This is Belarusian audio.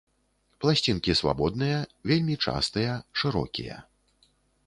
Пласцінкі свабодныя, вельмі частыя, шырокія.